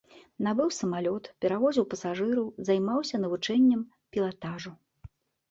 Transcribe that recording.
Набыў самалёт, перавозіў пасажыраў, займаўся навучаннем пілатажу.